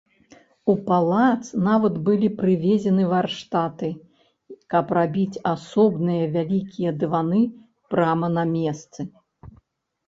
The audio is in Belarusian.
У палац нават былі прывезены варштаты, каб рабіць асобныя вялікія дываны прама на месцы.